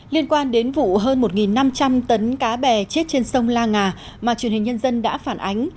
liên quan đến vụ hơn một năm trăm linh tấn cá bè chết trên sông la ngà mà truyền hình nhân dân đã phản ánh